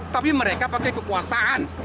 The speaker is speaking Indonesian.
tapi mereka pakai kekuasaan